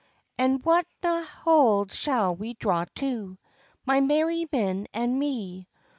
"And whatna hald shall we draw to, My merry men and me?